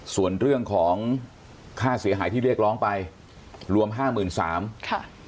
ส่วนเรื่องของค่าเสียหายที่เรียกร้องไปรวมห้าหมื่นสามค่ะ